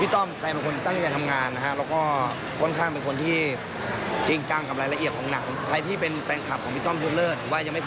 ต้องมาชมเรื่องนี้ดอกฟ้าหมาแจ๊บ